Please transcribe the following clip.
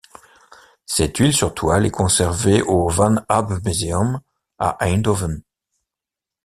Cette huile sur toile est conservée au Van Abbemuseum, à Eindhoven.